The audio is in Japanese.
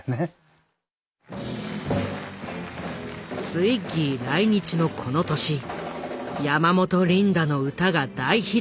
ツイッギー来日のこの年山本リンダの歌が大ヒット。